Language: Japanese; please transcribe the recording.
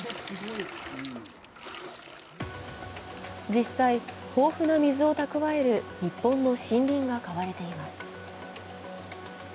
実際、豊富な水を蓄える日本の森林が買われています。